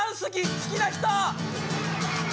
好きな人！